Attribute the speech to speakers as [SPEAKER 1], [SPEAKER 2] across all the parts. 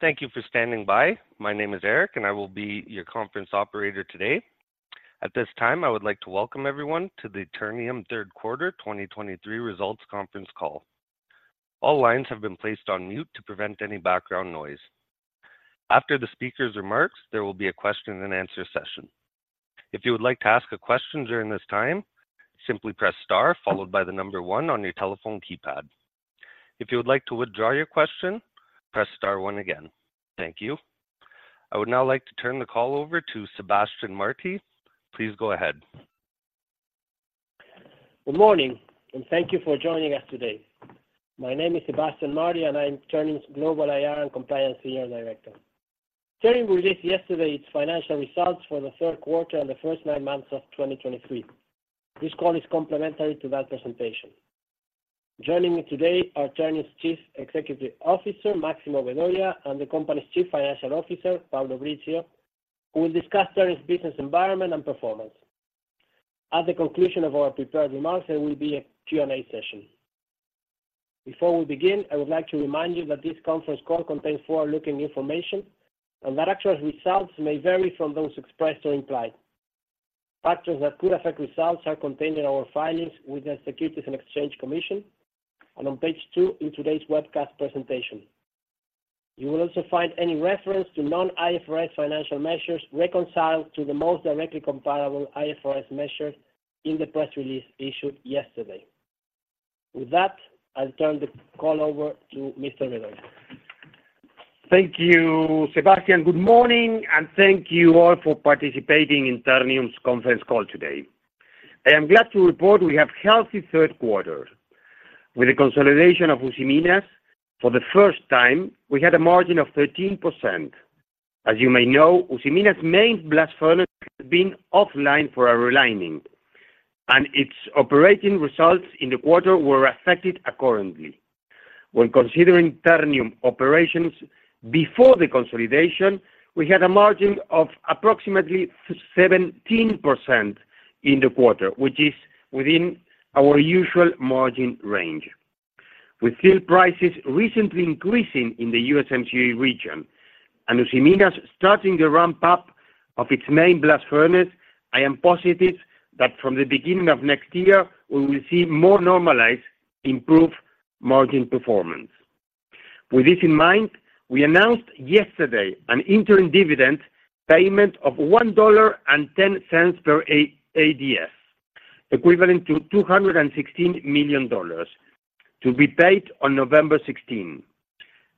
[SPEAKER 1] Thank you for standing by. My name is Eric, and I will be your conference operator today. At this time, I would like to welcome everyone to the Ternium third quarter 2023 results conference call. All lines have been placed on mute to prevent any background noise. After the speaker's remarks, there will be a question-and-answer session. If you would like to ask a question during this time, simply press star followed by the number one on your telephone keypad. If you would like to withdraw your question, press star one again. Thank you. I would now like to turn the call over to Sebastián Martí. Please go ahead.
[SPEAKER 2] Good morning and thank you for joining us today. My name is Sebastián Martí, and I'm Ternium's Global IR and Compliance Senior Director. Ternium released yesterday its financial results for the third quarter and the first nine months of 2023. This call is complementary to that presentation. Joining me today are Ternium's Chief Executive Officer, Máximo Vedoya, and the company's Chief Financial Officer, Pablo Brizzio, who will discuss Ternium's business environment and performance. At the conclusion of our prepared remarks, there will be a Q&A session. Before we begin, I would like to remind you that this conference call contains forward-looking information and that actual results may vary from those expressed or implied. Factors that could affect results are contained in our filings with the Securities and Exchange Commission, and on page two in today's webcast presentation. You will also find any reference to non-IFRS financial measures reconciled to the most directly comparable IFRS measure in the press release issued yesterday. With that, I'll turn the call over to Mr. Vedoya.
[SPEAKER 3] Thank you, Sebastián. Good morning and thank you all for participating in Ternium's conference call today. I am glad to report we have healthy third quarter. With the consolidation of Usiminas, for the first time, we had a margin of 13%. As you may know, Usiminas' main blast furnace has been offline for a relining, and its operating results in the quarter were affected accordingly. When considering Ternium operations before the consolidation, we had a margin of approximately 17% in the quarter, which is within our usual margin range. With steel prices recently increasing in the USMCA region and Usiminas starting the ramp-up of its main blast furnace, I am positive that from the beginning of next year, we will see more normalized, improved margin performance. With this in mind, we announced yesterday an interim dividend payment of $1.10 per ADS, equivalent to $216 million, to be paid on November 16.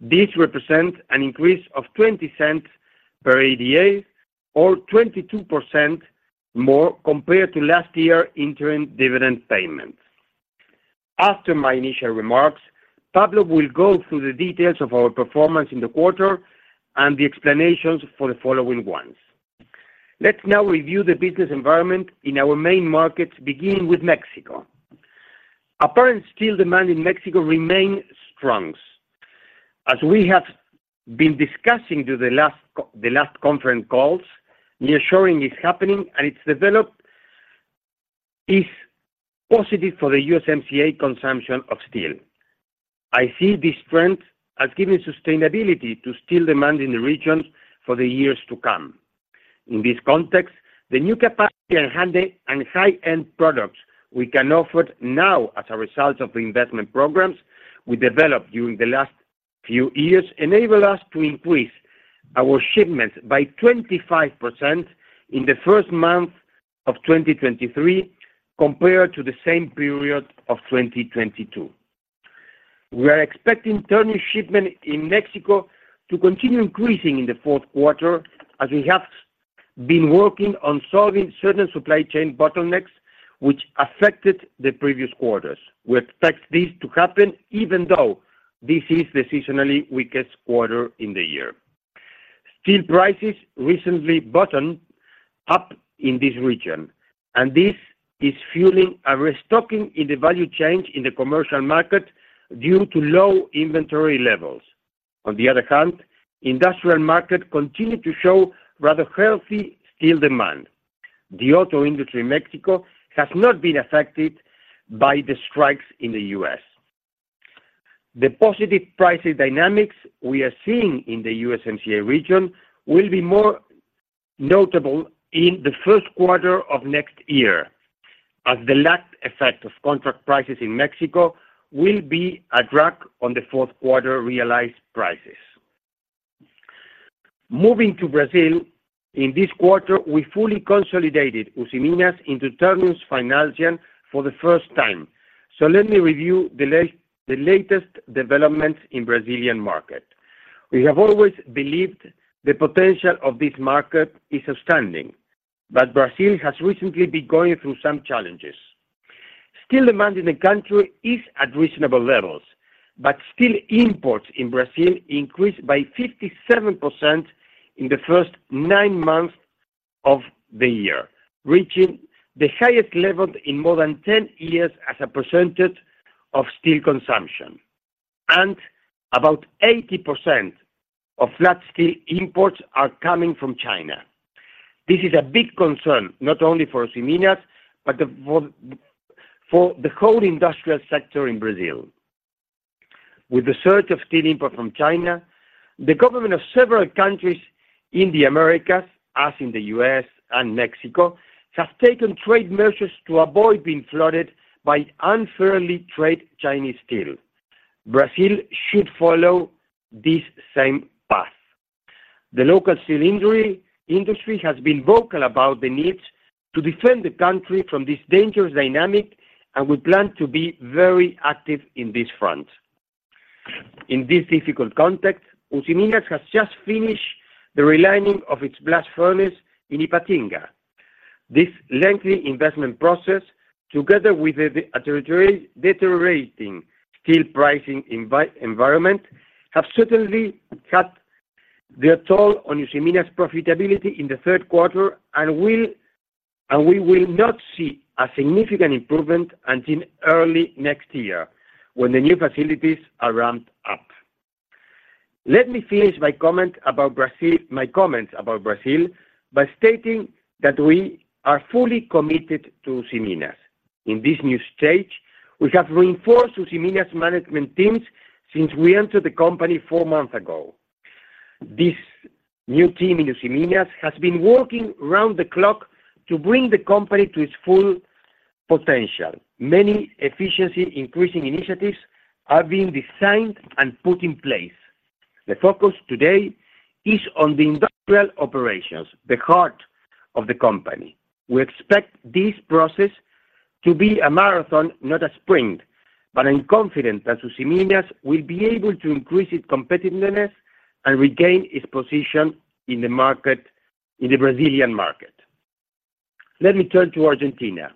[SPEAKER 3] This represents an increase of $0.20 per ADA or 22% more compared to last year's interim dividend payments. After my initial remarks, Pablo will go through the details of our performance in the quarter and the explanations for the following ones. Let's now review the business environment in our main markets, beginning with Mexico. Apparent steel demand in Mexico remain strong. As we have been discussing through the last the last conference calls, nearshoring is happening, and its development is positive for the USMCA consumption of steel. I see this trend as giving sustainability to steel demand in the region for the years to come. In this context, the new capacity on hand and high-end products we can offer now as a result of the investment programs we developed during the last few years, enable us to increase our shipments by 25% in the first month of 2023, compared to the same period of 2022. We are expecting Ternium shipment in Mexico to continue increasing in the fourth quarter, as we have been working on solving certain supply chain bottlenecks, which affected the previous quarters. We expect this to happen even though this is the seasonally weakest quarter in the year. Steel prices recently bottomed up in this region, and this is fueling a restocking in the value chain in the commercial market due to low inventory levels. On the other hand, industrial market continued to show rather healthy steel demand. The auto industry in Mexico has not been affected by the strikes in the U.S. The positive pricing dynamics we are seeing in the USMCA region will be more notable in the first quarter of next year, as the last effect of contract prices in Mexico will be a drag on the fourth quarter realized prices. Moving to Brazil, in this quarter, we fully consolidated Usiminas into Ternium's financials for the first time. So let me review the latest developments in Brazilian market. We have always believed the potential of this market is outstanding, but Brazil has recently been going through some challenges. Steel demand in the country is at reasonable levels, but steel imports in Brazil increased by 57% in the first nine months of the year, reaching the highest level in more than 10 years as a percentage of steel consumption, and about 80% of flat steel imports are coming from China. This is a big concern, not only for Usiminas, but for the whole industrial sector in Brazil. With the surge of steel import from China, the government of several countries in the Americas, as in the U.S. and Mexico, have taken trade measures to avoid being flooded by unfairly trade Chinese steel. Brazil should follow this same path. The local steel industry has been vocal about the need to defend the country from this dangerous dynamic, and we plan to be very active in this front. In this difficult context, Usiminas has just finished the relining of its blast furnace in Ipatinga. This lengthy investment process, together with the deteriorating steel pricing environment, have certainly cut their toll on Usiminas' profitability in the third quarter, and we will not see a significant improvement until early next year, when the new facilities are ramped up. Let me finish my comment about Brazil, my comments about Brazil, by stating that we are fully committed to Usiminas. In this new stage, we have reinforced Usiminas' management teams since we entered the company four months ago. This new team in Usiminas has been working round the clock to bring the company to its full potential. Many efficiency increasing initiatives are being designed and put in place. The focus today is on the industrial operations, the heart of the company. We expect this process to be a marathon, not a sprint, but I'm confident that Usiminas will be able to increase its competitiveness and regain its position in the market, in the Brazilian market. Let me turn to Argentina.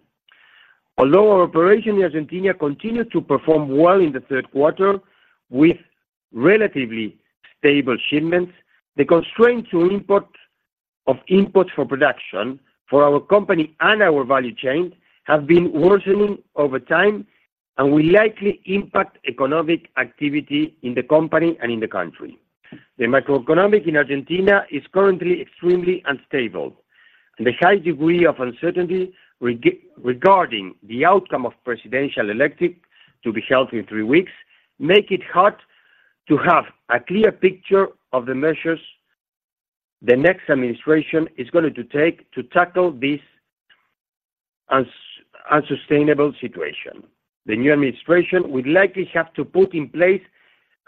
[SPEAKER 3] Although our operation in Argentina continued to perform well in the third quarter with relatively stable shipments, the constraint to import of inputs for production for our company and our value chain have been worsening over time, and will likely impact economic activity in the company and in the country. The macroeconomic in Argentina is currently extremely unstable, and the high degree of uncertainty regarding the outcome of presidential election, to be held in three weeks, make it hard to have a clear picture of the measures the next administration is going to take to tackle this unsustainable situation. The new administration will likely have to put in place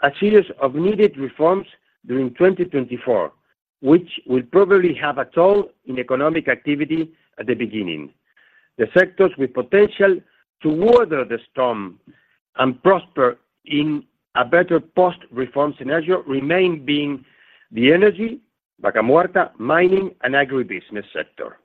[SPEAKER 3] a series of needed reforms during 2024, which will probably have a toll in economic activity at the beginning. The sectors with potential to weather the storm and prosper in a better post-reform scenario remain being the energy, Vaca Muerta, mining, and agribusiness sector.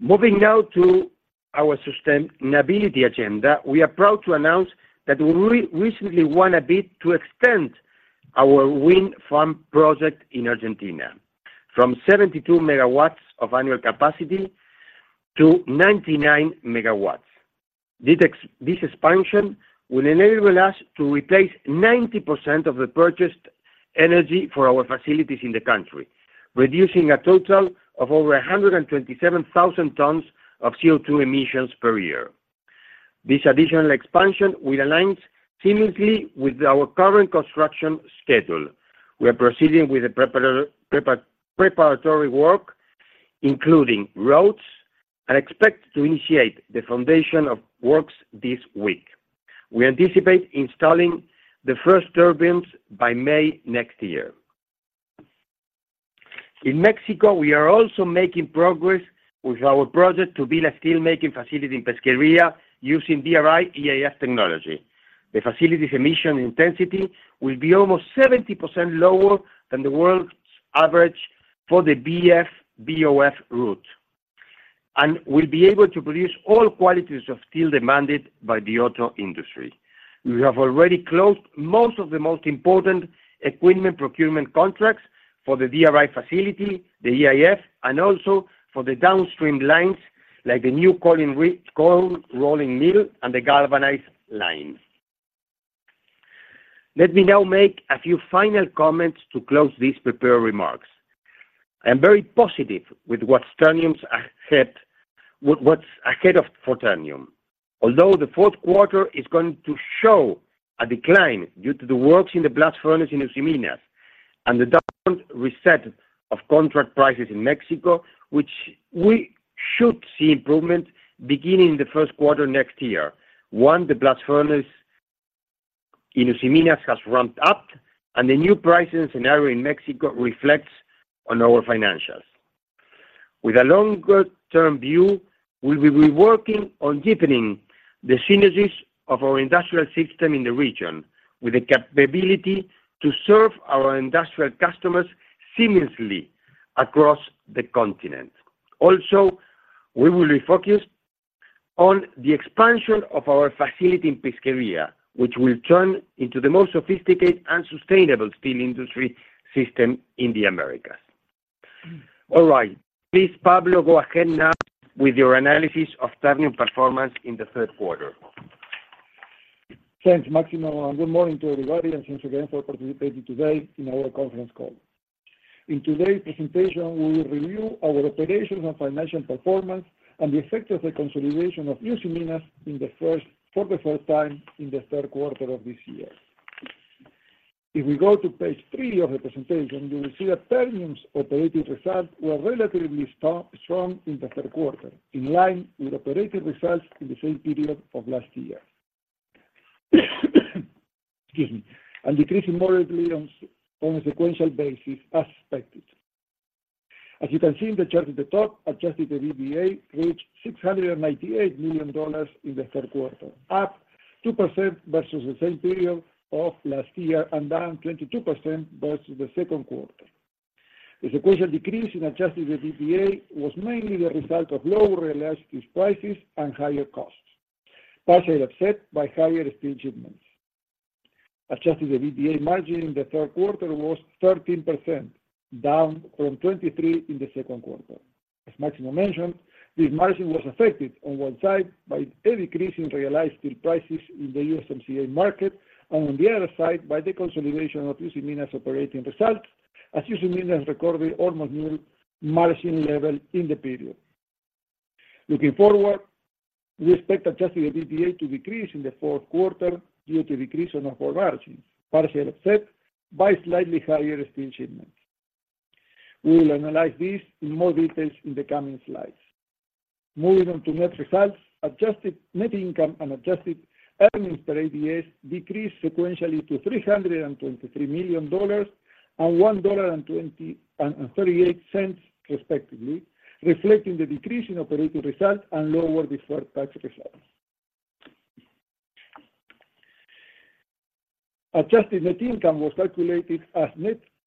[SPEAKER 3] Moving now to our sustainability agenda, we are proud to announce that we recently won a bid to extend our wind farm project in Argentina from 72 MW of annual capacity to 99 MW. This expansion will enable us to replace 90% of the purchased energy for our facilities in the country, reducing a total of over 127,000 tons of CO2 emissions per year. This additional expansion will align seamlessly with our current construction schedule. We are proceeding with the preparatory work, including roads, and expect to initiate the foundation of works this week. We anticipate installing the first turbines by May next year. In Mexico, we are also making progress with our project to build a steelmaking facility in Pesquería using DRI-EAF technology. The facility's emission intensity will be almost 70% lower than the world's average for the BF-BOF route, and will be able to produce all qualities of steel demanded by the auto industry. We have already closed most of the most important equipment procurement contracts for the DRI facility, the EAF, and also for the downstream lines, like the new cold rolling mill and the galvanizing line. Let me now make a few final comments to close these prepared remarks. I am very positive with what's ahead for Ternium. Although the fourth quarter is going to show a decline due to the works in the blast furnace in Usiminas and the down reset of contract prices in Mexico, which we should see improvement beginning in the first quarter next year. One, the blast furnace in Usiminas has ramped up, and the new pricing scenario in Mexico reflects on our financials. With a longer-term view, we will be working on deepening the synergies of our industrial system in the region, with the capability to serve our industrial customers seamlessly across the continent. Also, we will be focused on the expansion of our facility in Pesquería, which will turn into the most sophisticated and sustainable steel industry system in the Americas. All right, please, Pablo, go ahead now with your analysis of Ternium performance in the third quarter.
[SPEAKER 4] Thanks, Máximo, and good morning to everybody, and thanks again for participating today in our conference call. In today's presentation, we will review our operations and financial performance and the effect of the consolidation of Usiminas in the first, for the first time in the third quarter of this year. If we go to page three of the presentation, you will see that Ternium's operating results were relatively strong, strong in the third quarter, in line with operating results in the same period of last year. Excuse me. And decreasing moderately on, on a sequential basis, as expected. As you can see in the chart at the top, adjusted EBITDA reached $698 million in the third quarter, up 2% versus the same period of last year and down 22% versus the second quarter. The sequential decrease in adjusted EBITDA was mainly the result of lower realized steel prices and higher costs, partially offset by higher steel shipments. Adjusted EBITDA margin in the third quarter was 13%, down from 23% in the second quarter. As Máximo mentioned, this margin was affected on one side by a decrease in realized steel prices in the USMCA market, and on the other side, by the consolidation of Usiminas' operating results, as Usiminas recorded almost new margin level in the period. Looking forward, we expect adjusted EBITDA to decrease in the fourth quarter due to a decrease in our core margins, partially offset by slightly higher steel shipments. We will analyze this in more details in the coming slides. Moving on to net results, adjusted net income and adjusted earnings per ADS decreased sequentially to $323 million and $1.23, respectively, reflecting the decrease in operating results and lower deferred tax results. Adjusted net income was calculated as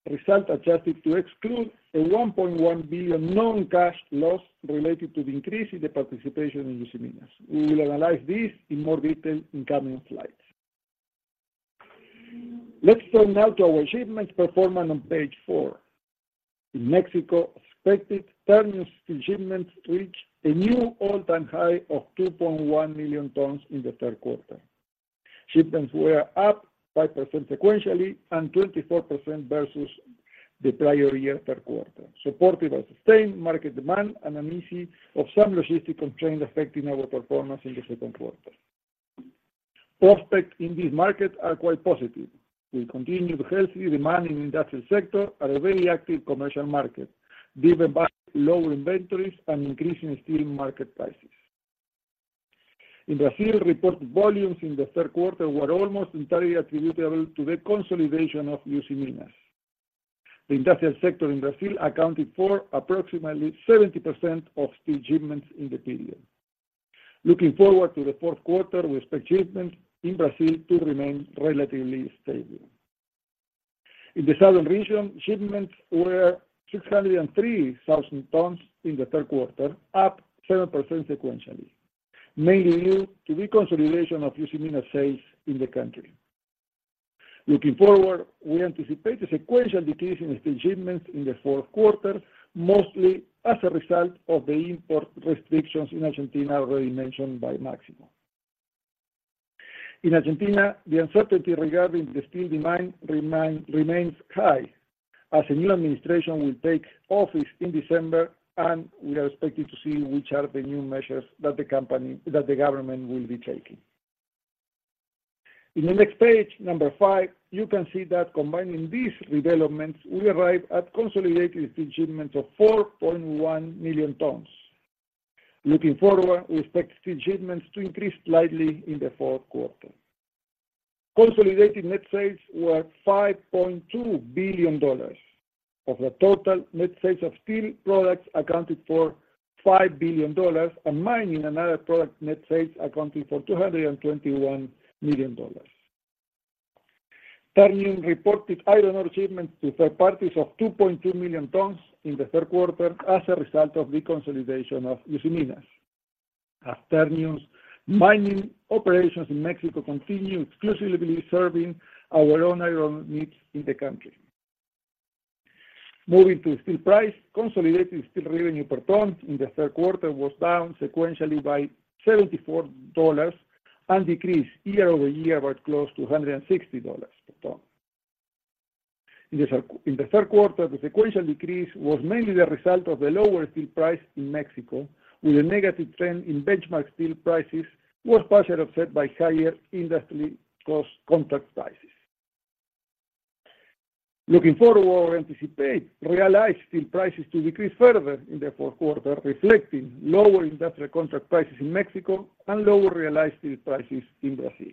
[SPEAKER 4] net results, adjusted to exclude a $1.1 billion non-cash loss related to the increase in the participation in Usiminas. We will analyze this in more detail in coming slides. Let's turn now to our shipments performance on page four. In Mexico, expected Ternium shipments reached a new all-time high of 2.1 million tons in the third quarter. Shipments were up 5% sequentially and 24% versus the prior year third quarter, supported by sustained market demand and an easing of some logistic constraints affecting our performance in the second quarter. Prospects in this market are quite positive, with continued healthy demand in industrial sector and a very active commercial market, driven by lower inventories and increasing steel market prices. In Brazil, reported volumes in the third quarter were almost entirely attributable to the consolidation of Usiminas. The industrial sector in Brazil accounted for approximately 70% of steel shipments in the period. Looking forward to the fourth quarter, we expect shipments in Brazil to remain relatively stable. In the southern region, shipments were 603,000 tons in the third quarter, up 7% sequentially, mainly due to the consolidation of Usiminas sales in the country. Looking forward, we anticipate a sequential decrease in steel shipments in the fourth quarter, mostly as a result of the import restrictions in Argentina, already mentioned by Máximo. In Argentina, the uncertainty regarding the steel demand remains high, as a new administration will take office in December, and we are expecting to see which are the new measures that the government will be taking. In the next page, number five, you can see that combining these three developments, we arrive at consolidated steel shipments of 4.1 million tons. Looking forward, we expect steel shipments to increase slightly in the fourth quarter. Consolidated net sales were $5.2 billion. Of the total net sales of steel products accounted for $5 billion, and mining and other product net sales accounted for $221 million. Ternium reported iron ore shipments to third parties of 2.2 million tons in the third quarter as a result of the consolidation of Usiminas, as Ternium's mining operations in Mexico continue exclusively serving our own iron ore needs in the country. Moving to steel price, consolidated steel revenue per ton in the third quarter was down sequentially by $74 and decreased year-over-year by close to $160 per ton. In the third quarter, the sequential decrease was mainly the result of the lower steel price in Mexico, with a negative trend in benchmark steel prices was partially offset by higher industry cost contract prices. Looking forward, we anticipate realized steel prices to decrease further in the fourth quarter, reflecting lower industrial contract prices in Mexico and lower realized steel prices in Brazil.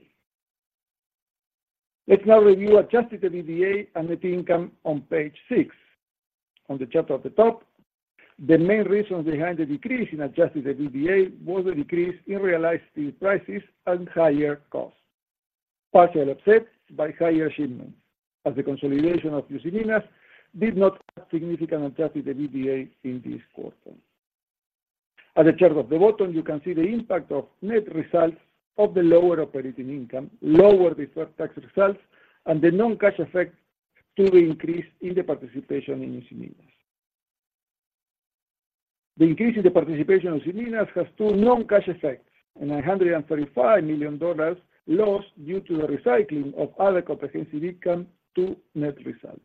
[SPEAKER 4] Let's now review adjusted EBITDA and net income on page six. On the chart at the top, the main reasons behind the decrease in adjusted EBITDA was a decrease in realized steel prices and higher costs, partially offset by higher shipments, as the consolidation of Usiminas did not have significant adjusted EBITDA in this quarter. In the chart at the bottom, you can see the impact on net results of the lower operating income, lower deferred tax results, and the non-cash effect to the increase in the participation in Usiminas. The increase in the participation of Usiminas has two non-cash effects: a $935 million loss due to the recycling of other comprehensive income to net results,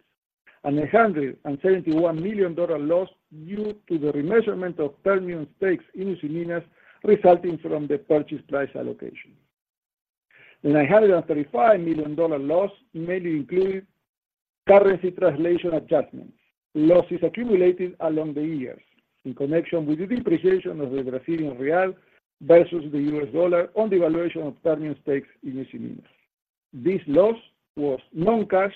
[SPEAKER 4] and a $171 million loss due to the remeasurement of Ternium's stakes in Usiminas, resulting from the purchase price allocation. The $935 million loss mainly includes currency translation adjustments, losses accumulated along the years in connection with the depreciation of the Brazilian real versus the US dollar on the evaluation of Ternium stakes in Usiminas. This loss was non-cash,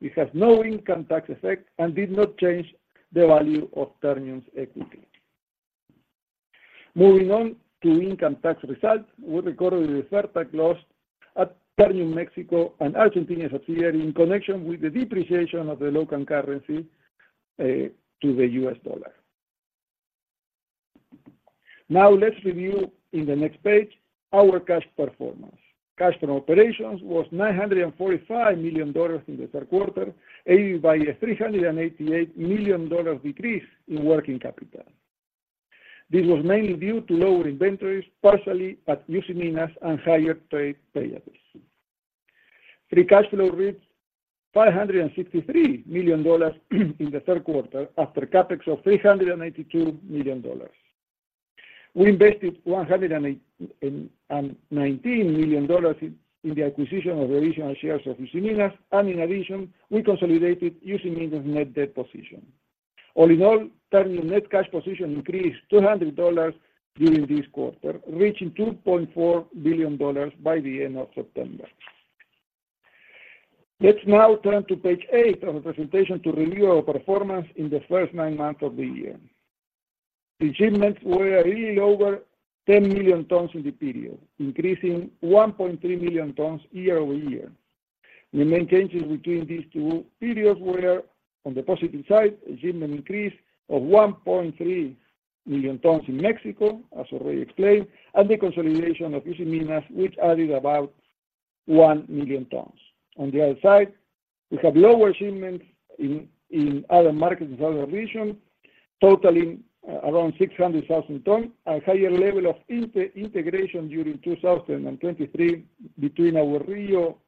[SPEAKER 4] it has no income tax effect and did not change the value of Ternium's equity. Moving on to income tax results, we recorded a deferred tax loss at Ternium Mexico and Argentina subsidiary in connection with the depreciation of the local currency, to the U.S. dollar. Now let's review in the next page our cash performance. Cash from operations was $945 million in the third quarter, aided by a $388 million decrease in working capital. This was mainly due to lower inventories, partially at Usiminas, and higher trade payables. Free cash flow reached $563 million in the third quarter, after CapEx of $392 million. We invested $108 million and $19 million in the acquisition of the original shares of Usiminas, and in addition, we consolidated Usiminas' net debt position. All in all, Ternium's net cash position increased $200 during this quarter, reaching $2.4 billion by the end of September. Let's now turn to page eight of the presentation to review our performance in the first nine months of the year. The shipments were a little over 10 million tons in the period, increasing 1.3 million tons year-over-year. The main changes between these two periods were, on the positive side, a shipment increase of 1.3 million tons in Mexico, as already explained, and the consolidation of Usiminas, which added about 1 million tons. On the other side, we have lower shipments in other markets, in other regions, totaling around 600,000 tons. A higher level of integration during 2023 between our Rio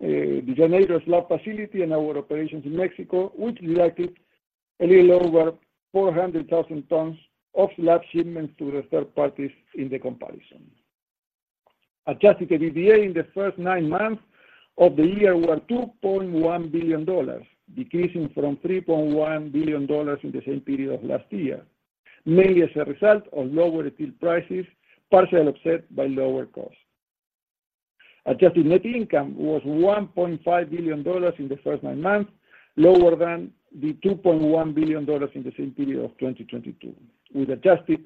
[SPEAKER 4] de Janeiro slab facility and our operations in Mexico, which likely a little over 400,000 tons of slab shipments to the third parties in the comparison. Adjusted EBITDA in the first nine months of the year were $2.1 billion, decreasing from $3.1 billion in the same period of last year, mainly as a result of lower steel prices, partially offset by lower costs. Adjusted net income was $1.5 billion in the first nine months, lower than the $2.1 billion in the same period of 2022, with adjusted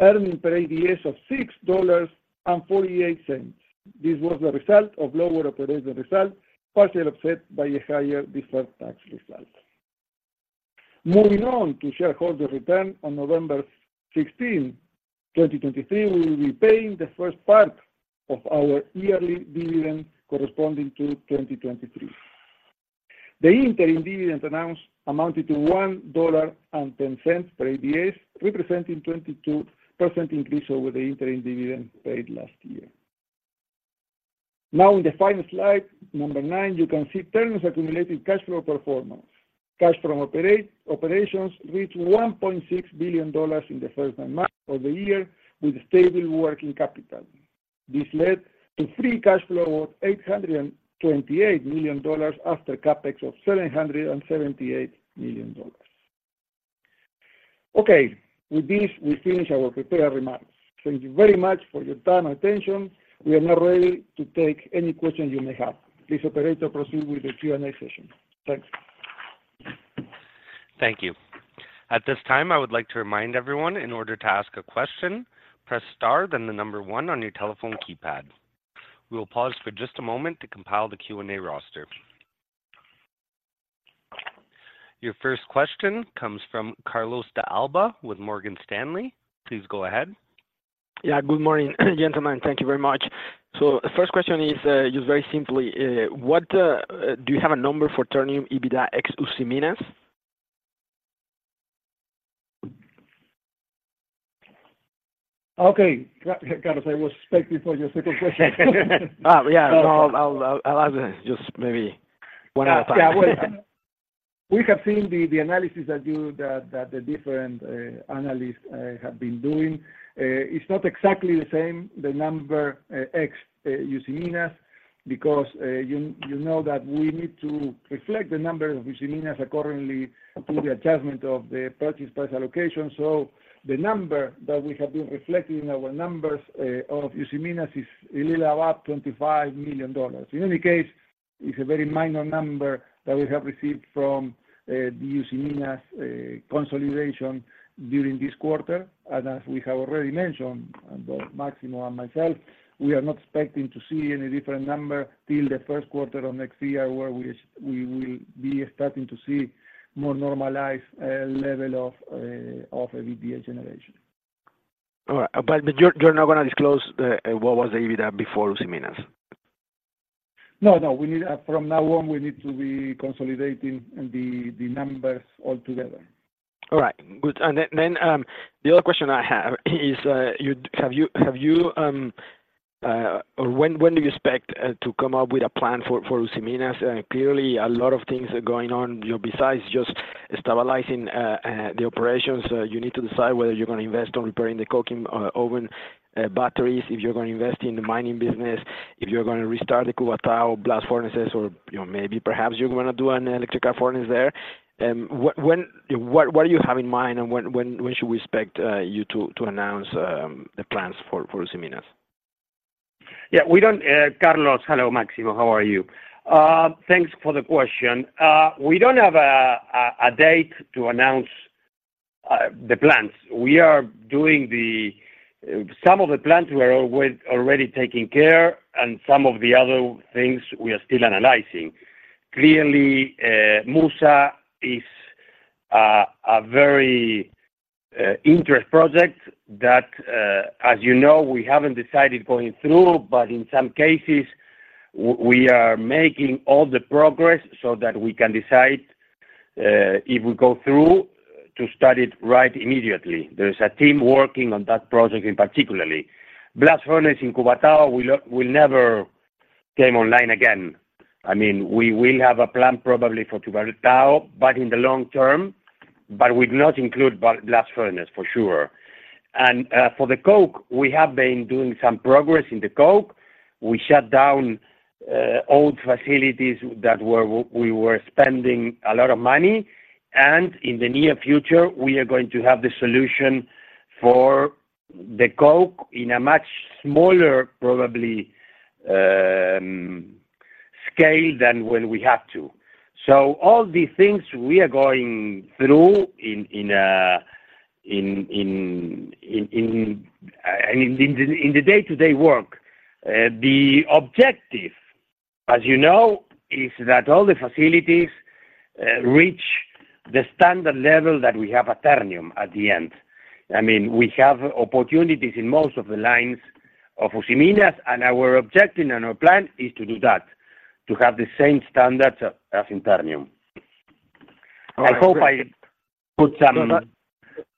[SPEAKER 4] earnings per ADS of $6.48. This was the result of lower operational results, partially offset by a higher deferred tax result. Moving on to shareholder return, on November 16th, 2023, we will be paying the first part of our yearly dividend corresponding to 2023. The interim dividend announced amounted to $1.10 per ADS, representing 22% increase over the interim dividend paid last year. Now, in the final slide, number nine, you can see Ternium's accumulated cash flow performance. Cash from operations reached $1.6 billion in the first nine months of the year, with stable working capital. This led to free cash flow of $828 million after CapEx of $778 million. Okay, with this, we finish our prepared remarks. Thank you very much for your time and attention. We are now ready to take any questions you may have. Please, operator, proceed with the Q&A session. Thanks.
[SPEAKER 1] Thank you. At this time, I would like to remind everyone, in order to ask a question, press star, then the number one on your telephone keypad. We will pause for just a moment to compile the Q&A roster. Your first question comes from Carlos de Alba with Morgan Stanley. Please go ahead.
[SPEAKER 5] Yeah, good morning, gentlemen. Thank you very much. So the first question is, just very simply, what... Do you have a number for Ternium EBITDA ex-Usiminas?
[SPEAKER 4] Okay, Carlos, I was expecting for your second question.
[SPEAKER 5] Yeah, no, I'll ask just maybe one at a time.
[SPEAKER 4] Yeah, well, we have seen the analysis that the different analysts have been doing. It's not exactly the same, the number ex-Usiminas, because you know that we need to reflect the number of Usiminas accordingly to the adjustment of the purchase price allocation. So the number that we have been reflecting in our numbers of Usiminas is a little about $25 million. In any case, it's a very minor number that we have received from the Usiminas consolidation during this quarter. And as we have already mentioned, Máximo and myself, we are not expecting to see any different number till the first quarter of next year, where we will be starting to see more normalized level of EBITDA generation.
[SPEAKER 5] All right, but you're not gonna disclose what was the EBITDA before Usiminas?
[SPEAKER 4] No, no, we need, from now on, we need to be consolidating the, the numbers all together.
[SPEAKER 5] All right, good. And then the other question I have is, have you or when do you expect to come up with a plan for Usiminas? Clearly, a lot of things are going on, you know, besides just stabilizing the operations. You need to decide whether you're gonna invest on repairing the coking oven batteries, if you're gonna invest in the mining business, if you're gonna restart the Cubatão blast furnaces, or, you know, maybe perhaps you're gonna do an electric arc furnace there. What, when do you have in mind, and when should we expect you to announce the plans for Usiminas?
[SPEAKER 3] Yeah, we don't, Carlos, hello, It's Máximo, how are you? Thanks for the question. We don't have a date to announce the plans. We are doing the... Some of the plans we are already taking care, and some of the other things we are still analyzing. Clearly, MUSA is a very interesting project that, as you know, we haven't decided going through, but in some cases, we are making all the progress so that we can decide if we go through, to start it right immediately. There is a team working on that project in particular. Blast furnace in Cubatão will never come online again. I mean, we will have a plan probably for Cubatão, but in the long term, but will not include blast furnace for sure. For the coke, we have been doing some progress in the coke. We shut down old facilities that we were spending a lot of money, and in the near future, we are going to have the solution for the coke in a much smaller, probably, scale than when we have to. So all these things we are going through in the day-to-day work. The objective, as you know, is that all the facilities reach the standard level that we have at Ternium at the end. I mean, we have opportunities in most of the lines of Usiminas, and our objective and our plan is to do that, to have the same standards as in Ternium.
[SPEAKER 5] All right.
[SPEAKER 3] I hope I put some-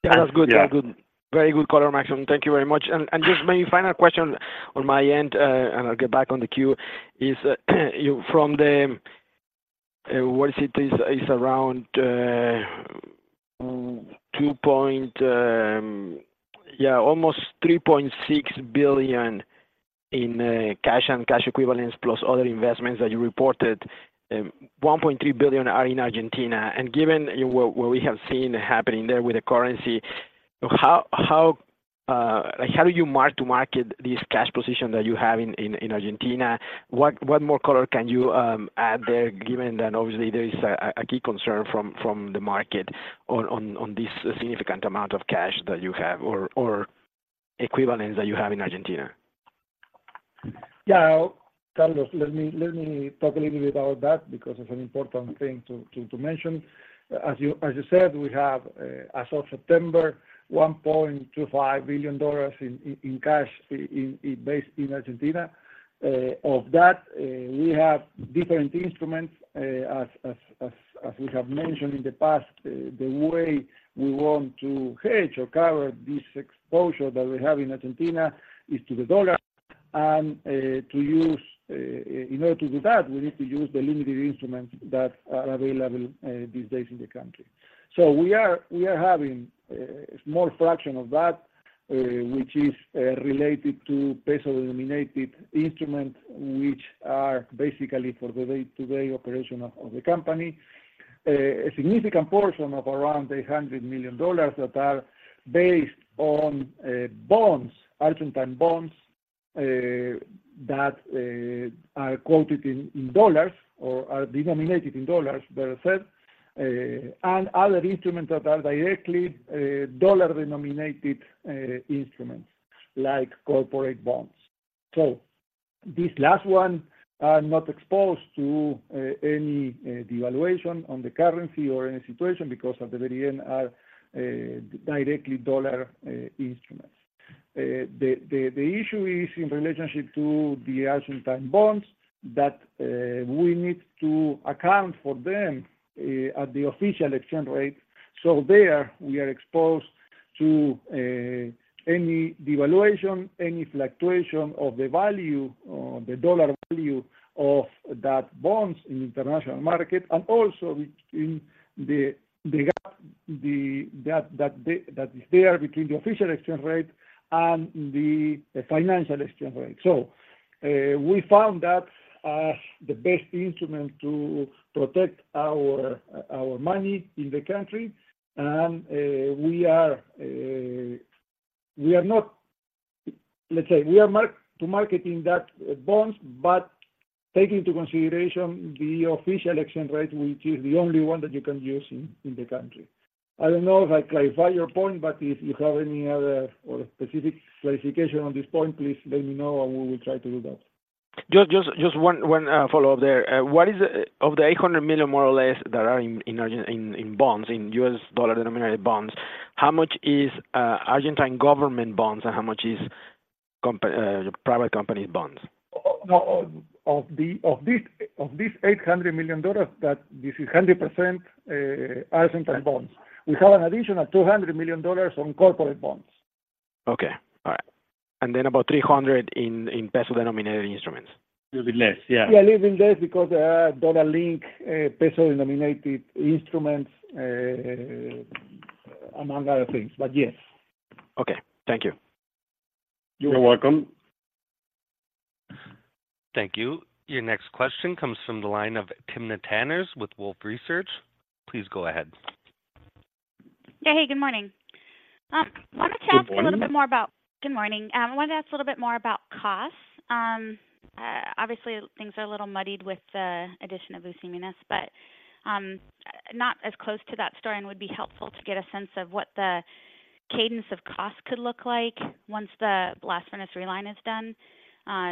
[SPEAKER 5] Yeah, that's good.
[SPEAKER 3] Yeah.
[SPEAKER 5] That's good. Very good color, Máximo, thank you very much. Just my final question on my end, and I'll get back on the queue, is from the, what is it, around almost $3.6 billion in cash and cash equivalents, plus other investments that you reported. $1.3 billion are in Argentina, and given what we have seen happening there with the currency, how, like how do you mark to market this cash position that you have in Argentina? What more color can you add there, given that obviously there is a key concern from the market on this significant amount of cash that you have or equivalents that you have in Argentina?
[SPEAKER 4] Yeah. Carlos, let me talk a little bit about that because it's an important thing to mention. As you said, we have, as of September, $1.25 billion in cash in Argentina. Of that, we have different instruments, as we have mentioned in the past, the way we want to hedge or cover this exposure that we have in Argentina is to the dollar. And, to use, in order to do that, we need to use the limited instruments that are available, these days in the country. So we are having a small fraction of that, which is related to peso-denominated instruments, which are basically for the day-to-day operation of the company. A significant portion of around $800 million that are based on, bonds, Argentine bonds, that, are quoted in, in dollars or are denominated in dollars, better said, and other instruments that are directly, dollar-denominated, instruments, like corporate bonds. So this last one are not exposed to, any, devaluation on the currency or any situation because at the very end are, directly dollar, instruments. The issue is in relationship to the Argentine bonds that, we need to account for them, at the official exchange rate. So there, we are exposed to, any devaluation, any fluctuation of the value, the dollar value of that bonds in the international market, and also between the, the gap, the, that, that, that is there between the official exchange rate and the financial exchange rate. So, we found that as the best instrument to protect our, our money in the country. And, we are, we are not—let's say, we are mark-to-market those bonds, but take into consideration the official exchange rate, which is the only one that you can use in, in the country. I don't know if I clarify your point, but if you have any other or specific clarification on this point, please let me know and we will try to do that.
[SPEAKER 5] Just one follow-up there. What is of the $800 million, more or less, that are in Argentina, in U.S. dollar-denominated bonds, how much is Argentine government bonds and how much is private company bonds.
[SPEAKER 4] No, of this $800 million that this is 100%, Argentina bonds. We have an additional $200 million on corporate bonds.
[SPEAKER 5] Okay, all right. And then about $300 in peso-denominated instruments?
[SPEAKER 3] A little bit less, yeah.
[SPEAKER 4] Yeah, a little bit less because dollar link, peso-denominated instruments, among other things, but yes.
[SPEAKER 5] Okay. Thank you.
[SPEAKER 4] You're welcome.
[SPEAKER 1] Thank you. Your next question comes from the line of Timna Tanners with Wolfe Research. Please go ahead.
[SPEAKER 6] Yeah, hey, good morning. Wanted to ask-
[SPEAKER 3] Good morning.
[SPEAKER 6] Good morning. I want to ask a little bit more about costs. Obviously, things are a little muddied with the addition of Usiminas, but not as close to that story and would be helpful to get a sense of what the cadence of costs could look like once the last furnace reline is done.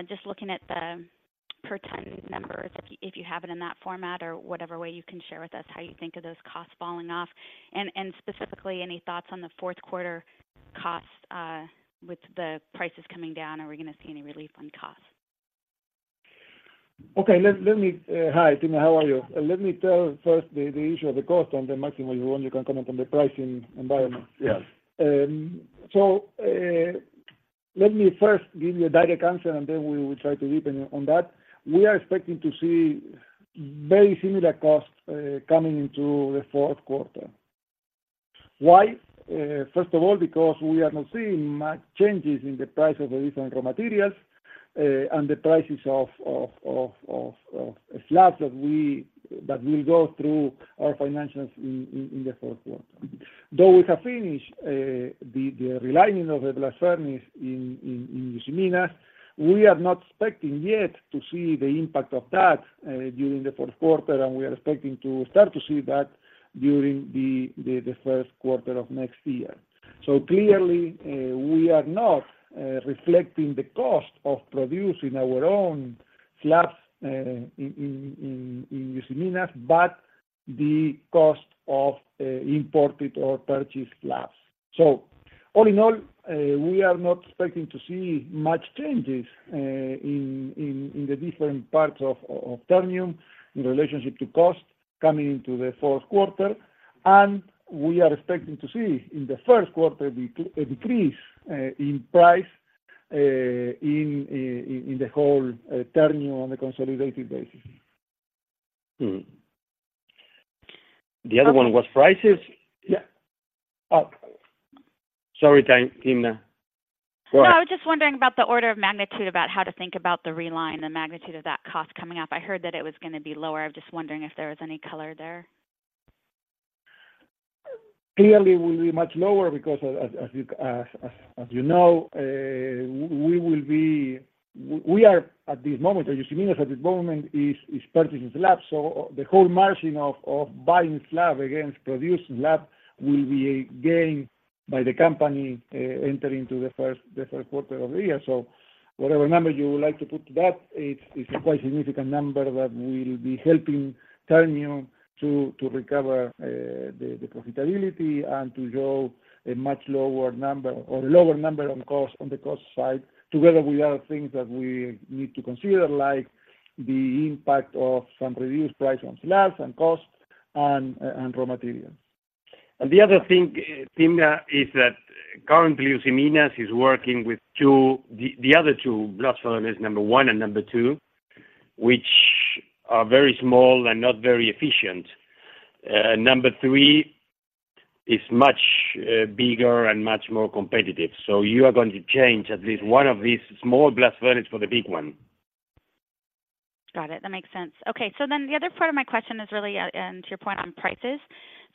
[SPEAKER 6] Just looking at the per ton numbers, if you have it in that format or whatever way you can share with us how you think of those costs falling off. And specifically, any thoughts on the fourth quarter costs, with the prices coming down, are we going to see any relief on costs?
[SPEAKER 4] Okay, let me... Hi, Timna, how are you? Let me tell first the issue of the cost and then, Máximo, you can comment on the pricing environment. So, let me first give you a direct answer, and then we try to deepen on that. We are expecting to see very similar costs coming into the fourth quarter. Why? First of all, because we are not seeing much changes in the price of the different raw materials, and the prices of slabs that will go through our financials in the fourth quarter. Though we have finished the relining of the blast furnace in Usiminas, we are not expecting yet to see the impact of that during the fourth quarter, and we are expecting to start to see that during the first quarter of next year. So clearly, we are not reflecting the cost of producing our own slabs in Usiminas, but the cost of imported or purchased slabs. So all in all, we are not expecting to see much changes in the different parts of Ternium in relationship to cost coming into the fourth quarter. And we are expecting to see in the first quarter a decrease in price in the whole Ternium on a consolidated basis.
[SPEAKER 3] The other one was prices?
[SPEAKER 4] Yeah. Uh.
[SPEAKER 3] Sorry, Timna.
[SPEAKER 6] No, I was just wondering about the order of magnitude, about how to think about the reline, the magnitude of that cost coming up. I heard that it was going to be lower. I'm just wondering if there was any color there.
[SPEAKER 4] Clearly, it will be much lower because as you know, we are at this moment at Usiminas purchasing slabs. So the whole margin of buying slab against producing slab will be gained by the company, entering into the first quarter of the year. So whatever number you would like to put to that, it's quite a significant number that will be helping Ternium to recover the profitability and to show a much lower number or a lower number on cost, on the cost side, together with other things that we need to consider, like the impact of some reduced price on slabs and costs and raw materials.
[SPEAKER 3] And the other thing, Timna, is that currently, Usiminas is working with two, the other two blast furnace, number one and number two, which are very small and not very efficient. Number three is much bigger and much more competitive. So you are going to change at least one of these small blast furnace for the big one.
[SPEAKER 6] Got it. That makes sense. Okay, so then the other part of my question is really, and to your point on prices.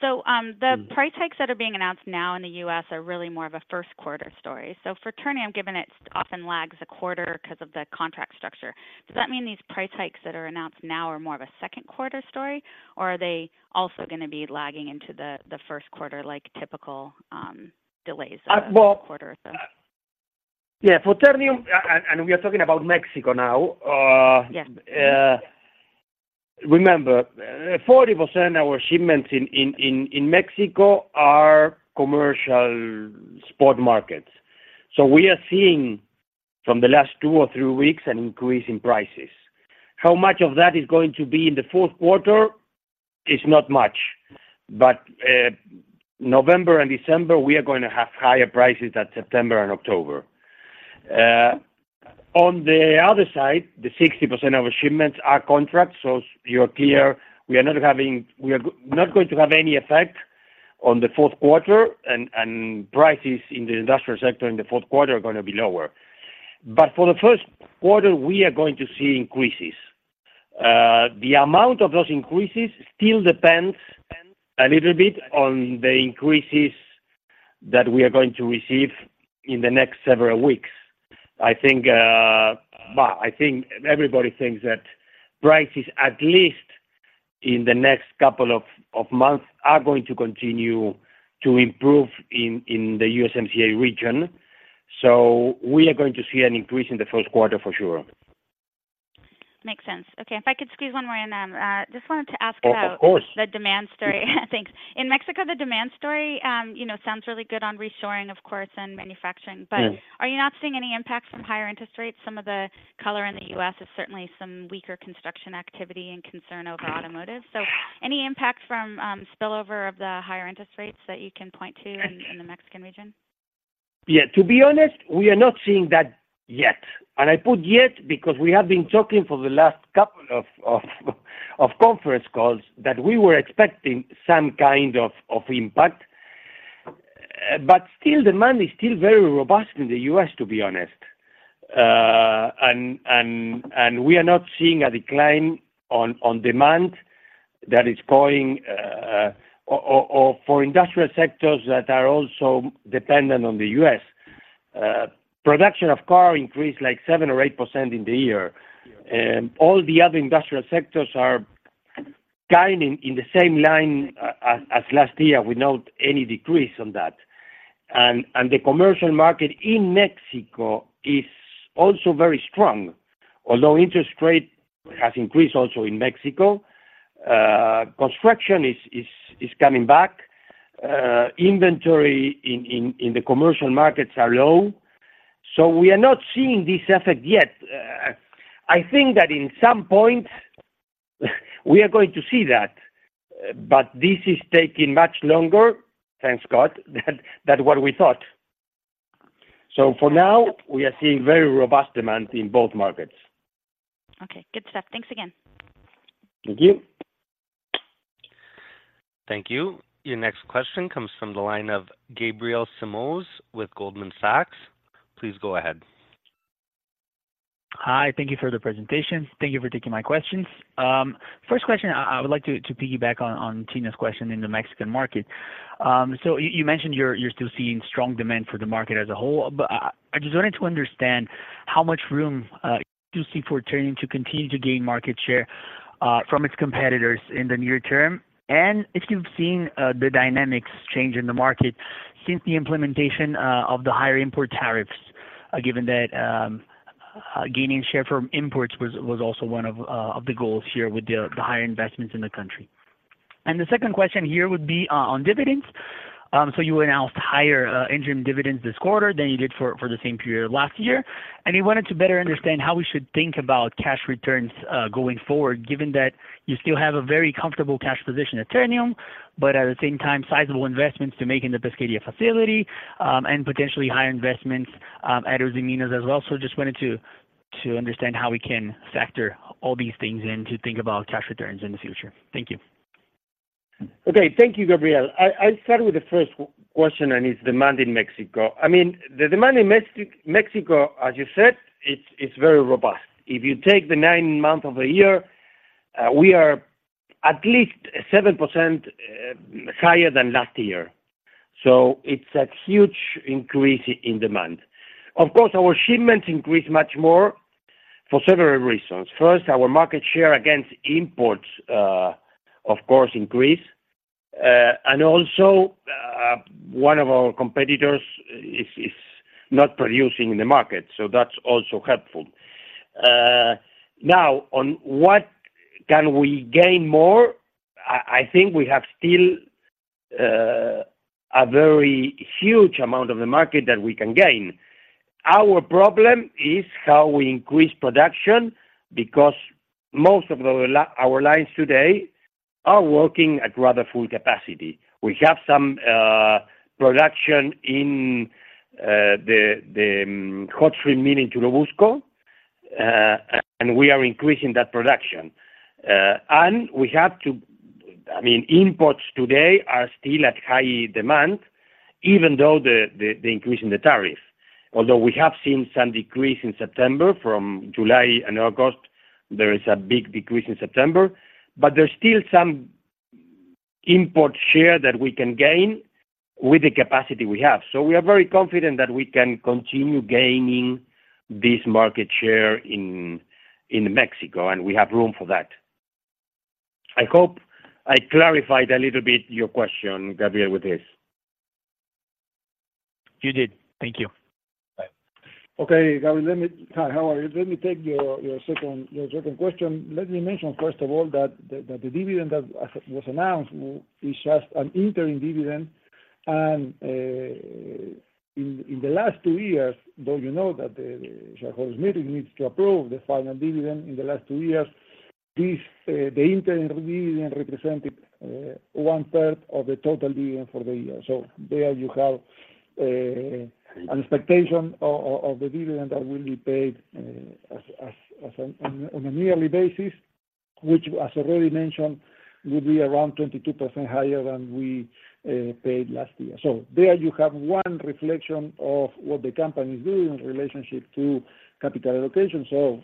[SPEAKER 6] So, the price hikes that are being announced now in the U.S. are really more of a first quarter story. So for Ternium, given it often lags a quarter because of the contract structure, does that mean these price hikes that are announced now are more of a second quarter story, or are they also going to be lagging into the first quarter, like typical delays a-
[SPEAKER 3] Well-
[SPEAKER 6] Quarter or so?
[SPEAKER 3] Yeah, for Ternium, and we are talking about Mexico now.
[SPEAKER 6] Yeah.
[SPEAKER 3] Remember, 40% of our shipments in Mexico are commercial spot markets. So we are seeing from the last two or three weeks an increase in prices. How much of that is going to be in the fourth quarter? Is not much. But, November and December, we are going to have higher prices than September and October. On the other side, the 60% of our shipments are contracts, so you're clear we are not going to have any effect on the fourth quarter, and prices in the industrial sector in the fourth quarter are going to be lower. But for the first quarter, we are going to see increases. The amount of those increases still depends a little bit on the increases that we are going to receive in the next several weeks. I think, but I think everybody thinks that prices, at least in the next couple of months, are going to continue to improve in the USMCA region. So we are going to see an increase in the first quarter for sure.
[SPEAKER 6] Makes sense. Okay, if I could squeeze one more in, I just wanted to ask about-
[SPEAKER 3] Of course.
[SPEAKER 6] - the demand story. Thanks. In Mexico, the demand story, you know, sounds really good on reshoring, of course, and manufacturing.
[SPEAKER 3] Yes.
[SPEAKER 6] But are you not seeing any impact from higher interest rates? Some of the color in the U.S. is certainly some weaker construction activity and concern over automotive. So any impact from spillover of the higher interest rates that you can point to in the Mexican region?
[SPEAKER 3] Yeah, to be honest, we are not seeing that yet. And I put yet because we have been talking for the last couple of conference calls that we were expecting some kind of impact. But still, demand is still very robust in the U.S., to be honest. And we are not seeing a decline on demand that is going or for industrial sectors that are also dependent on the U.S. Production of car increased like 7% or 8% in the year. And all the other industrial sectors are kind in the same line as last year, without any decrease on that. And the commercial market in Mexico is also very strong. Although interest rate has increased also in Mexico, construction is coming back. Inventory in the commercial markets are low, so we are not seeing this effect yet. I think that in some point, we are going to see that, but this is taking much longer, thanks, God, than what we thought. So for now, we are seeing very robust demand in both markets.
[SPEAKER 6] Okay, good stuff. Thanks again.
[SPEAKER 3] Thank you.
[SPEAKER 1] Thank you. Your next question comes from the line of Gabriel Simões with Goldman Sachs. Please go ahead.
[SPEAKER 7] Hi, thank you for the presentation. Thank you for taking my questions. First question, I would like to piggyback on Timna's question in the Mexican market. So you mentioned you're still seeing strong demand for the market as a whole, but I just wanted to understand how much room do you see for Ternium to continue to gain market share from its competitors in the near term? And if you've seen the dynamics change in the market since the implementation of the higher import tariffs, given that gaining share from imports was also one of the goals here with the higher investments in the country. And the second question here would be on dividends. So you announced higher interim dividends this quarter than you did for the same period last year. We wanted to better understand how we should think about cash returns going forward, given that you still have a very comfortable cash position at Ternium, but at the same time, sizable investments to make in the Pesquería facility, and potentially higher investments at Usiminas as well. Just wanted to understand how we can factor all these things in to think about cash returns in the future. Thank you.
[SPEAKER 3] Okay, thank you, Gabriel. I'll start with the first question, and it's demand in Mexico. I mean, the demand in Mexico, as you said, it's very robust. If you take the nine months of the year, we are at least 7% higher than last year. So it's a huge increase in demand. Of course, our shipments increased much more for several reasons. First, our market share against imports, of course, increased. And also, one of our competitors is not producing in the market, so that's also helpful. Now, on what can we gain more, I think we have still a very huge amount of the market that we can gain. Our problem is how we increase production, because most of our lines today are working at rather full capacity. We have some production in the Hot Strip Mill in Churubusco, and we are increasing that production. And we have to... I mean, imports today are still at high demand, even though the increase in the tariff. Although we have seen some decrease in September from July and August, there is a big decrease in September, but there's still some import share that we can gain with the capacity we have. So we are very confident that we can continue gaining this market share in Mexico, and we have room for that. I hope I clarified a little bit your question, Gabriel, with this.
[SPEAKER 7] You did. Thank you.
[SPEAKER 3] Bye.
[SPEAKER 4] Okay, Gabriel, let me... Hi, how are you? Let me take your second question. Let me mention, first of all, that the dividend that was announced is just an interim dividend, and in the last two years, though, you know that the shareholders' meeting needs to approve the final dividend in the last two years, this, the interim dividend represented one third of the total dividend for the year. So there you have an expectation of the dividend that will be paid as on a yearly basis, which, as already mentioned, will be around 22% higher than we paid last year. So there you have one reflection of what the company is doing in relationship to capital allocation. So,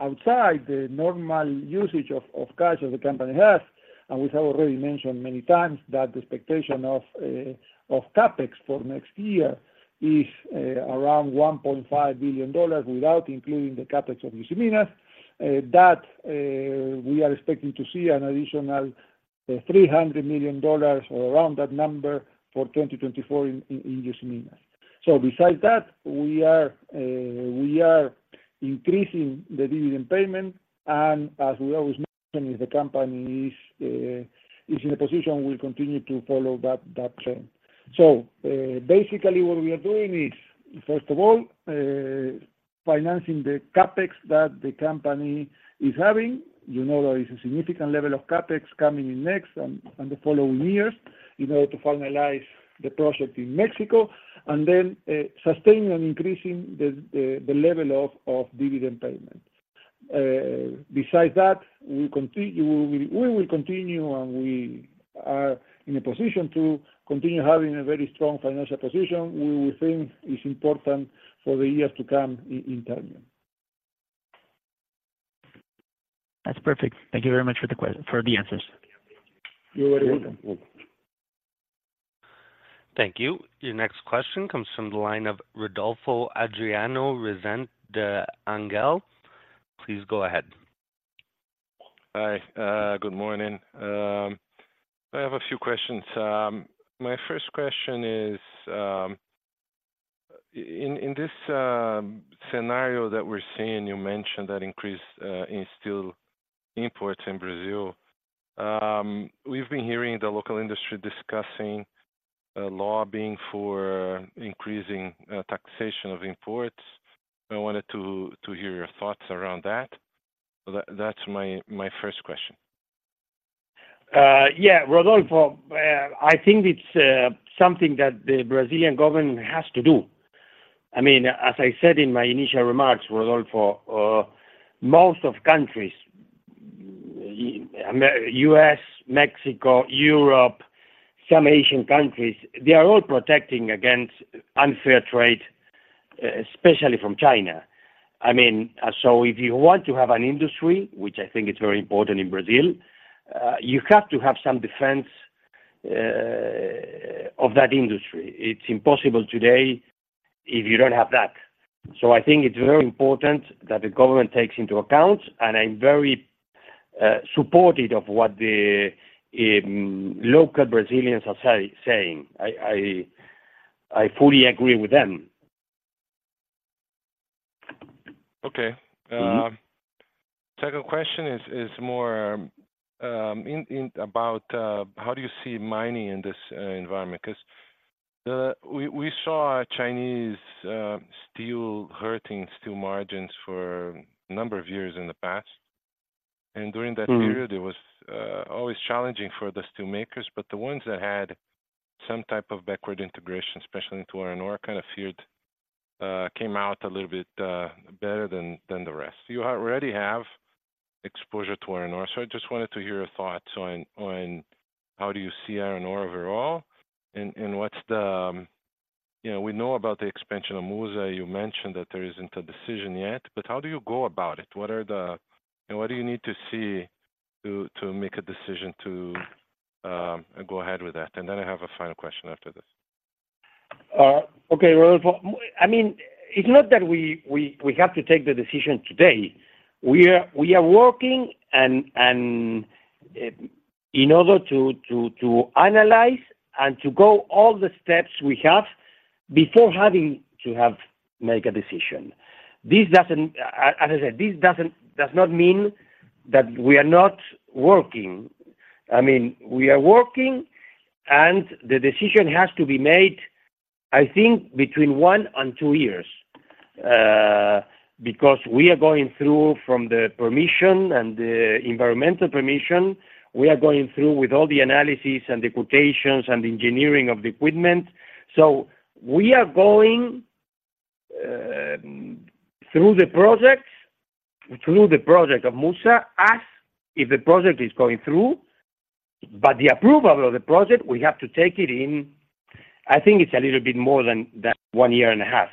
[SPEAKER 4] outside the normal usage of cash that the company has, and we have already mentioned many times that the expectation of CapEx for next year is around $1.5 billion, without including the CapEx of Usiminas. That we are expecting to see an additional $300 million or around that number for 2024 in Usiminas.
[SPEAKER 3] So besides that, we are increasing the dividend payment, and as we always mention, if the company is in a position, we'll continue to follow that trend. So, basically, what we are doing is, first of all, financing the CapEx that the company is having. You know, there is a significant level of CapEx coming in next and the following years in order to finalize the project in Mexico and then sustaining and increasing the level of dividend payment. Besides that, we will continue, and we are in a position to continue having a very strong financial position. We think it's important for the years to come in term. That's perfect. Thank you very much for the answers. You're very welcome.
[SPEAKER 1] Thank you. Your next question comes from the line of Rodolfo Adriano Rezende Angele. Please go ahead.
[SPEAKER 8] Hi, good morning. I have a few questions. My first question is, in this scenario that we're seeing, you mentioned that increase in steel imports in Brazil. We've been hearing the local industry discussing lobbying for increasing taxation of imports. I wanted to hear your thoughts around that. That's my first question.
[SPEAKER 3] Yeah, Rodolfo, I think it's something that the Brazilian government has to do. I mean, as I said in my initial remarks, Rodolfo, most of countries, U.S., Mexico, Europe, some Asian countries, they are all protecting against unfair trade, especially from China. I mean, so if you want to have an industry, which I think is very important in Brazil, you have to have some defense of that industry. It's impossible today if you don't have that. So I think it's very important that the government takes into account, and I'm very supportive of what the local Brazilians are saying. I fully agree with them.
[SPEAKER 8] Okay. Second question is about how do you see mining in this environment? 'Cause we saw Chinese steel hurting steel margins for a number of years in the past, and during that period, it was always challenging for the steel makers, but the ones that had some type of backward integration, especially into iron ore kind of field, came out a little bit better than the rest. You already have exposure to iron ore, so I just wanted to hear your thoughts on how do you see iron ore overall, and what's the... You know, we know about the expansion of MUSA. You mentioned that there isn't a decision yet, but how do you go about it? What are the-- What do you need to see to make a decision to go ahead with that? And then I have a final question after this.
[SPEAKER 3] Okay, Rodolfo. I mean, it's not that we have to take the decision today. We are working and in order to analyze and to go all the steps we have before having to make a decision. This doesn't, as I said, this does not mean that we are not working. I mean, we are working, and the decision has to be made, I think, between one and two years, because we are going through the permission and the environmental permission. We are going through with all the analysis and the quotations and engineering of the equipment. So we are going through the project, through the project of MUSA, as if the project is going through, but the approval of the project, we have to take it in. I think it's a little bit more than one year and a half.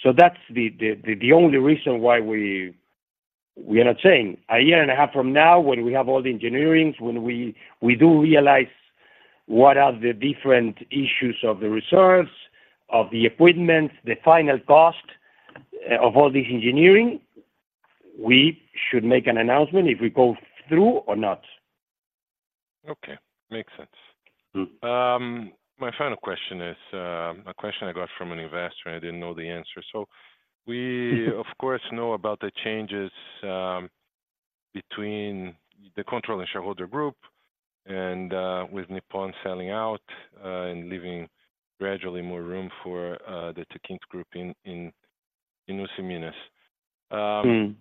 [SPEAKER 3] So that's the only reason why we are not saying. A year and a half from now, when we have all the engineerings, when we do realize what are the different issues of the reserves, of the equipment, the final cost of all this engineering, we should make an announcement if we go through or not.
[SPEAKER 8] Okay. Makes sense. My final question is, a question I got from an investor, and I didn't know the answer. So we of course, know about the changes, between the controlling shareholder group and, with Nippon selling out, and leaving gradually more room for, the Techint Group in Usiminas. The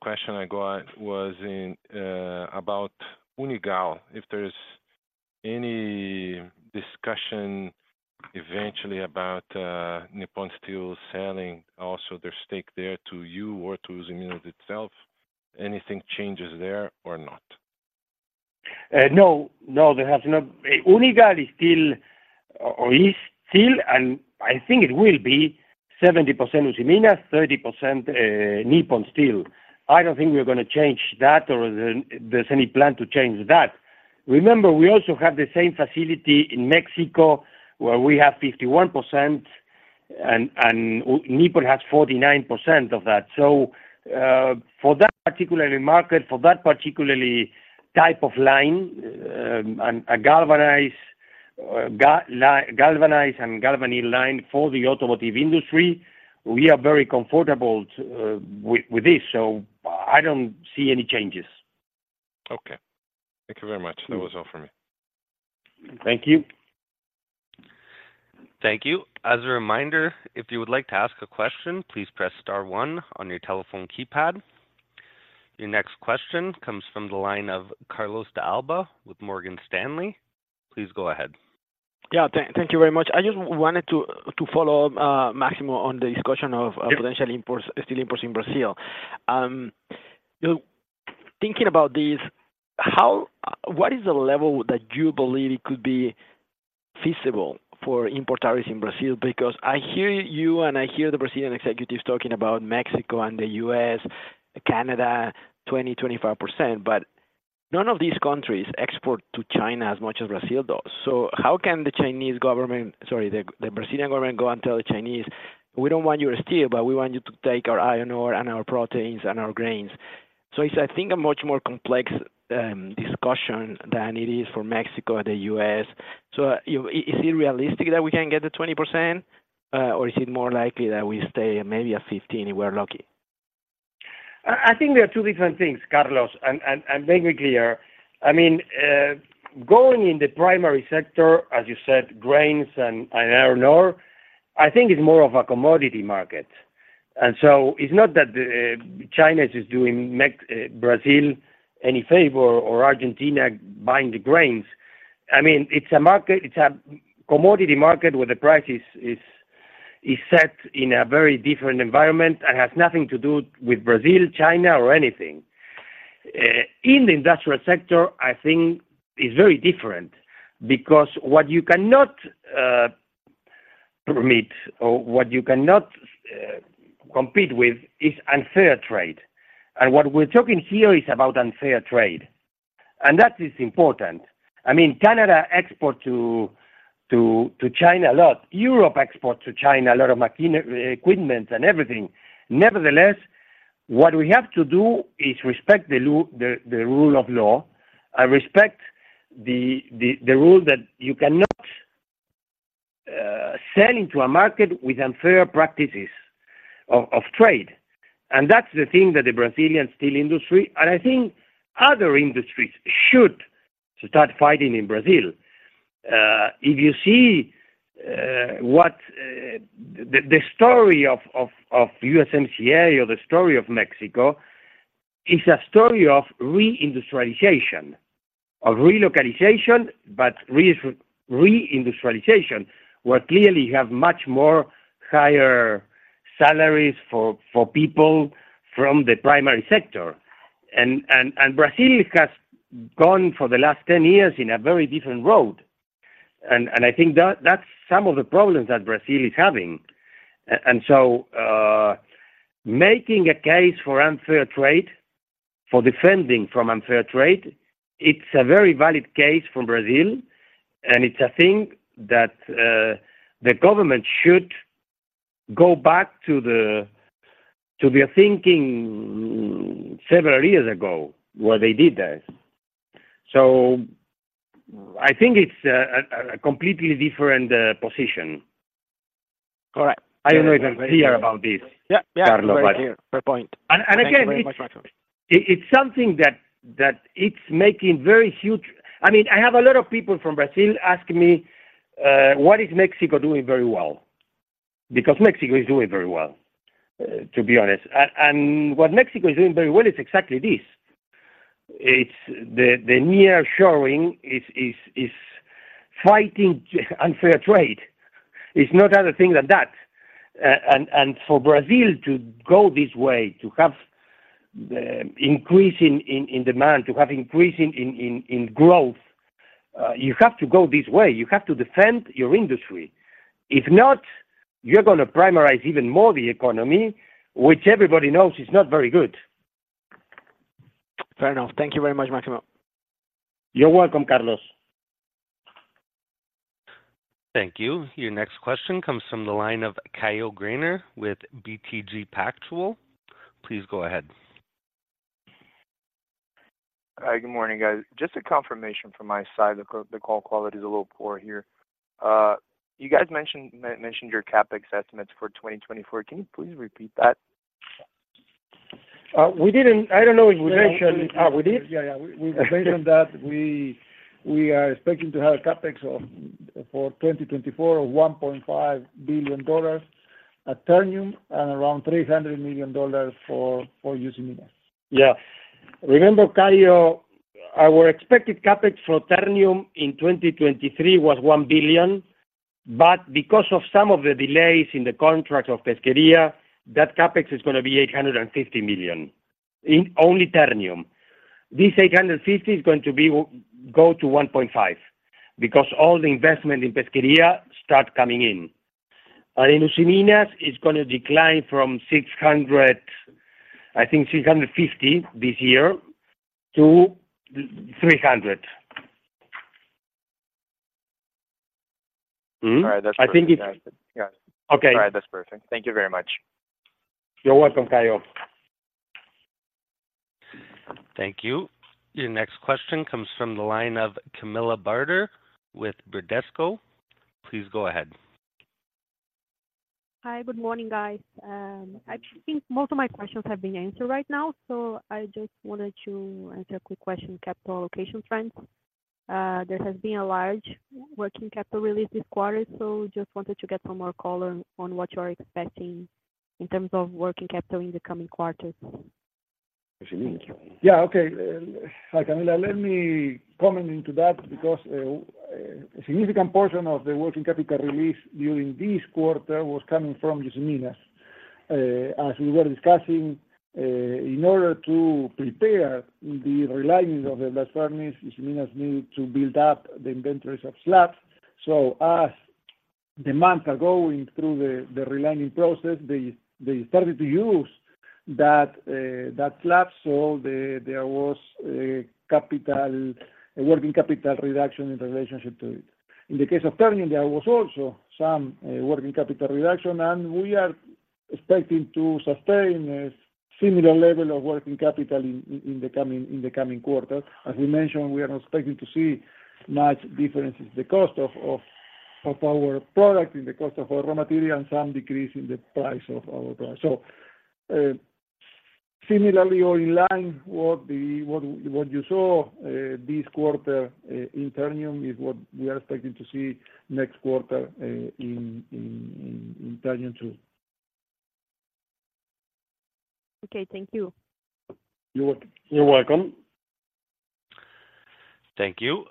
[SPEAKER 8] question I got was in about Unigal, if there is any discussion eventually about Nippon Steel selling also their stake there to you or to Usiminas itself. Anything changes there or not?
[SPEAKER 3] No, no, there has not— Unigal is still, or is still, and I think it will be 70% Usiminas, 30% Nippon Steel. I don't think we're gonna change that or there's any plan to change that. Remember, we also have the same facility in Mexico, where we have 51% and Nippon has 49% of that. So, for that particular market, for that particular type of line, and a galvanized line for the automotive industry, we are very comfortable with this, so I don't see any changes.
[SPEAKER 8] Okay. Thank you very much. That was all for me.
[SPEAKER 3] Thank you.
[SPEAKER 1] Thank you. As a reminder, if you would like to ask a question, please press star one on your telephone keypad. Your next question comes from the line of Carlos de Alba with Morgan Stanley. Please go ahead.
[SPEAKER 5] Yeah, thank you very much. I just wanted to follow up, Máximo, on the discussion of-
[SPEAKER 3] Yeah...
[SPEAKER 5] potential imports, steel imports in Brazil. Thinking about this, what is the level that you believe it could be feasible for import tariffs in Brazil? Because I hear you, and I hear the Brazilian executives talking about Mexico and the U.S., Canada, 20%-25%, but none of these countries export to China as much as Brazil does. So how can the Chinese government, sorry, the Brazilian government go and tell the Chinese, "We don't want your steel, but we want you to take our iron ore and our proteins and our grains?" So it's, I think, a much more complex discussion than it is for Mexico or the U.S. So, you know, is it realistic that we can get to 20%, or is it more likely that we stay at maybe 15, if we're lucky?
[SPEAKER 3] I think there are two different things, Carlos, and let me clear. I mean, going in the primary sector, as you said, grains and iron ore, I think it's more of a commodity market. And so it's not that China is doing Mexico, Brazil any favor or Argentina buying the grains. I mean, it's a market, it's a commodity market where the price is set in a very different environment and has nothing to do with Brazil, China, or anything. In the industrial sector, I think it's very different because what you cannot permit or what you cannot compete with is unfair trade. And what we're talking here is about unfair trade, and that is important. I mean, Canada export to China a lot. Europe export to China a lot of machinery, equipment, and everything. Nevertheless, what we have to do is respect the rule of law and respect the rule that you cannot sell into a market with unfair practices of trade. And that's the thing that the Brazilian steel industry, and I think other industries, should start fighting in Brazil. If you see what the story of USMCA or the story of Mexico, it's a story of re-industrialization, of relocalization, but re-industrialization, where clearly you have much more higher salaries for people from the primary sector. And Brazil has gone for the last 10 years in a very different road, and I think that's some of the problems that Brazil is having. And so, making a case for unfair trade, for defending from unfair trade, it's a very valid case for Brazil, and it's a thing that the government should go back to their thinking several years ago, where they did this. So I think it's a completely different position.
[SPEAKER 5] Correct.
[SPEAKER 3] I don't know if I'm clear about this-
[SPEAKER 5] Yeah, yeah...
[SPEAKER 3] Carlos, but.
[SPEAKER 5] Fair point.
[SPEAKER 3] And again-
[SPEAKER 5] Thank you very much, Máximo....
[SPEAKER 3] it's something that's making very huge—I mean, I have a lot of people from Brazil asking me, "What is Mexico doing very well?" Because Mexico is doing very well, to be honest. What Mexico is doing very well is exactly this. It's the nearshoring, it's fighting unfair trade. It's not other thing than that. For Brazil to go this way, to have increase in demand, to have increase in growth, you have to go this way. You have to defend your industry. If not, you're gonna primarize even more the economy, which everybody knows is not very good.
[SPEAKER 5] Fair enough. Thank you very much, Máximo.
[SPEAKER 3] You're welcome, Carlos.
[SPEAKER 1] Thank you. Your next question comes from the line of Caio Greiner with BTG Pactual. Please go ahead.
[SPEAKER 9] Good morning, guys. Just a confirmation from my side, the call quality is a little poor here. You guys mentioned your CapEx estimates for 2024. Can you please repeat that?
[SPEAKER 3] We didn't... I don't know if we mentioned-
[SPEAKER 4] We did.
[SPEAKER 3] Oh, we did?
[SPEAKER 4] Yeah, yeah. We, based on that, are expecting to have a CapEx of $1.5 billion for 2024 at Ternium, and around $300 million for Usiminas.
[SPEAKER 3] Yeah. Remember, Caio, our expected CapEx for Ternium in 2023 was $1 billion, but because of some of the delays in the contract of Pesquería, that CapEx is gonna be $850 million, in only Ternium. This $850 million is going to be, go to $1.5 billion, because all the investment in Pesquería start coming in. And in Usiminas, it's gonna decline from $600 million, I think $650 million this year, to $300 million.
[SPEAKER 9] All right, that's perfect.
[SPEAKER 3] I think it's-
[SPEAKER 9] Yes.
[SPEAKER 3] Okay.
[SPEAKER 9] All right, that's perfect. Thank you very much.
[SPEAKER 3] You're welcome, Caio.
[SPEAKER 1] Thank you. Your next question comes from the line of Camilla Barder with Bradesco. Please go ahead.
[SPEAKER 10] Hi, good morning, guys. I think most of my questions have been answered right now, so I just wanted to ask a quick question, capital allocation trends. There has been a large working capital release this quarter, so just wanted to get some more color on what you are expecting in terms of working capital in the coming quarters.
[SPEAKER 4] Yeah, okay. Hi, Camilla. Let me comment into that because a significant portion of the working capital release during this quarter was coming from Usiminas. As we were discussing, in order to prepare the relining of the blast furnace, Usiminas need to build up the inventories of slabs. So as the months are going through the, the relining process, they, they started to use that, that slab. So there, there was a capital, a working capital reduction in relationship to it. In the case of Ternium, there was also some working capital reduction, and we are expecting to sustain a similar level of working capital in, in the coming, in the coming quarter. As we mentioned, we are not expecting to see much differences in the cost of our product, in the cost of our raw material, and some decrease in the price of our product. So, similarly or in line, what you saw this quarter in Ternium is what we are expecting to see next quarter in Ternium, too.
[SPEAKER 10] Okay. Thank you.
[SPEAKER 4] You're welcome. You're welcome.
[SPEAKER 1] Thank you.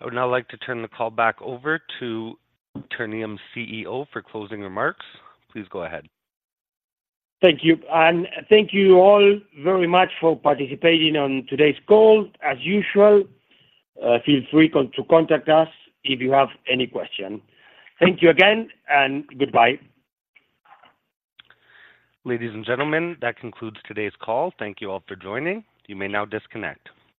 [SPEAKER 1] I would now like to turn the call back over to Ternium's CEO for closing remarks. Please go ahead.
[SPEAKER 3] Thank you. Thank you all very much for participating on today's call. As usual, feel free to contact us if you have any question. Thank you again, and goodbye.
[SPEAKER 1] Ladies and gentlemen, that concludes today's call. Thank you all for joining. You may now disconnect.